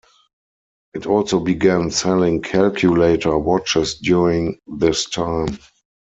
It also began selling calculator watches during this time.